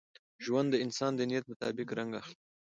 ژوند د انسان د نیت مطابق رنګ اخلي.